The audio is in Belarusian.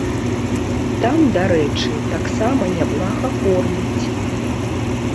Там, дарэчы, таксама няблага кормяць.